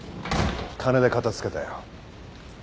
金で片付けたよ。